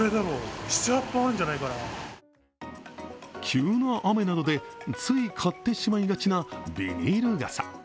急な雨などでつい買ってしまいがちなビニール傘。